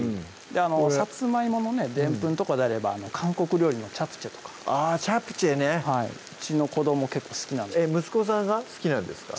さつまいものねでんぷんとかであれば韓国料理のチャプチェとかあぁチャプチェねうちの子ども結構好きなんで息子さんが好きなんですか？